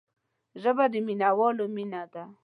ژبه د مینوالو مینه ده